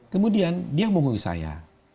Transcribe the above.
kemudian dia menghubungi saya